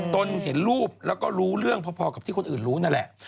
ตนเห็นรูปแล้วก็รู้เรื่องพอกับที่คนอื่นรู้นั่นแหละ